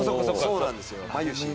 そうなんですよ。